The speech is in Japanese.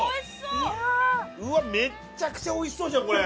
うわっめちゃくちゃおいしそうじゃんこれ。